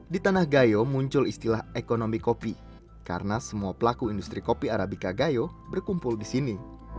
di tanah gayo muncul istilah ekonomi kopi karena semua pelaku industri kopi arabica gayo berkumpul di sini